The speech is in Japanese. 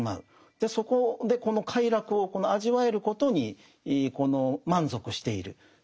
そこでこの快楽を味わえることに満足している。